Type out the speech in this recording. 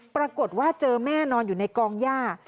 ปรากฏว่าเจอแม่นอนอยู่ในกองย่า